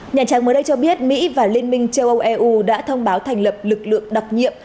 nhà trắng mới đây cho biết mỹ và liên minh châu âu eu đã thông báo thành lập lực lượng đặc nhiệm